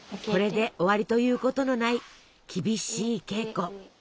これで終わりということのない厳しい稽古。